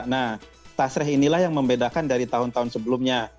nah tasreh inilah yang membedakan dari tahun tahun sebelumnya